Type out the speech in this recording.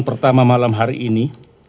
pertama malam hari ini